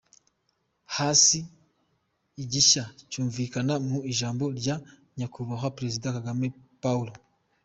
Hari igishya cyumvikana mu ijambo rya Nyakubahwa Perezida Kagame Pawulo